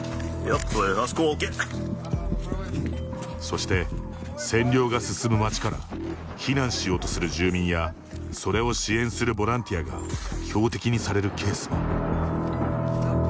そして、占領が進む町から避難しようとする住民やそれを支援するボランティアが標的にされるケースも。